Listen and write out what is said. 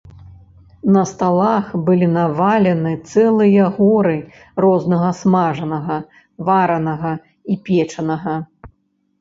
На сталах былі навалены цэлыя горы рознага смажанага, варанага і печанага.